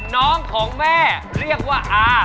น้องของแม่เรียกว่าอา